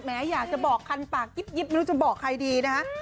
อยากจะบอกคันปากยิบไม่รู้จะบอกใครดีนะฮะ